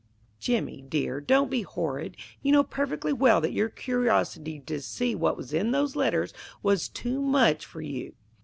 "Jimmy, dear, don't be horrid. You know perfectly well that your curiosity to see what is in those letters was too much for you."